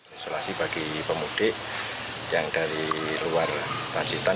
isolasi bagi pemudik yang dari luar pacitan